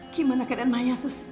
gimana keadaan maya sus